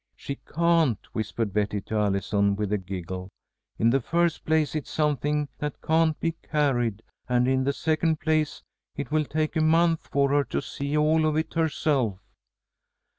"She can't!" whispered Betty to Allison, with a giggle. "In the first place, it's something that can't be carried, and in the second place it will take a month for her to see all of it herself."